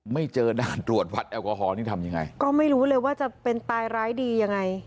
ไม่เจอด่านตรวจวัดแอลกอฮอลนี่ทำยังไงก็ไม่รู้เลยว่าจะเป็นตายร้ายดียังไง